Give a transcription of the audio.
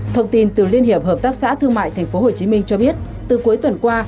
thông tin từ liên hiệp hợp tác xã thương mại tp hcm cho biết từ cuối tuần qua